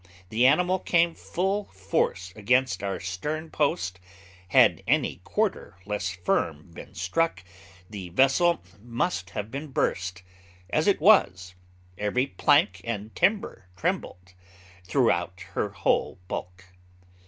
the animal came full force against our stern post: had any quarter less firm been struck, the vessel must have been burst; as it was, every plank and timber trembled, throughout her whole bulk.